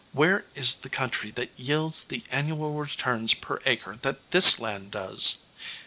Where is the country that yields the annual returns per acre that this land does?"